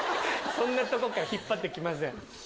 そんなとこから引っ張って来ません。